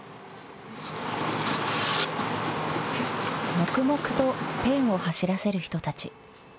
黙々とペンを走らせる人たち。